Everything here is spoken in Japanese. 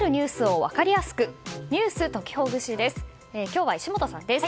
今日は石本さんです。